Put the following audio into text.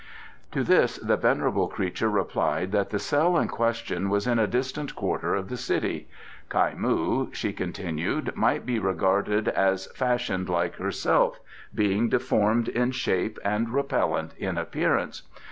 To this the venerable creature replied that the cell in question was in a distant quarter of the city. Kai moo, she continued, might be regarded as fashioned like herself, being deformed in shape and repellent in appearance.